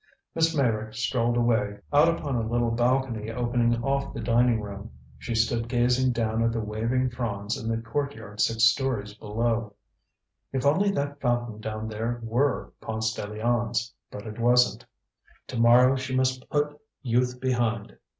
Miss Meyrick strolled away, out upon a little balcony opening off the dining room. She stood gazing down at the waving fronds in the courtyard six stories below. If only that fountain down there were Ponce de Leon's! But it wasn't. To morrow she must put youth behind.